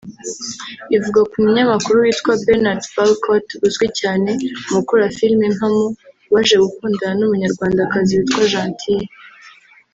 Ivuga ku munyamakuru witwa Bernard Valcourt (uzwi cyane mu gukora filime mpamo) waje gukundana n’umunyarwandakazi witwa Gentille